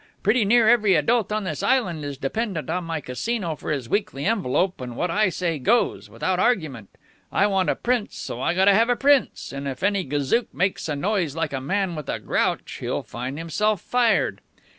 Pretty near every adult on this island is dependent on my Casino for his weekly envelope, and what I say goes without argument. I want a prince, so I gotta have a prince, and if any gazook makes a noise like a man with a grouch, he'll find himself fired."